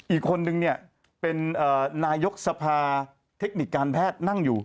อีกคนนึงเนี่ยเป็นนายกสภาเทคนิคการแพทย์นั่งอยู่